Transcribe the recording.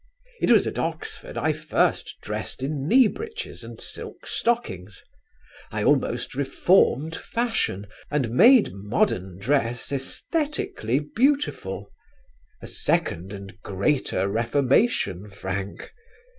It was at Oxford I first dressed in knee breeches and silk stockings. I almost reformed fashion and made modern dress æsthetically beautiful; a second and greater reformation, Frank.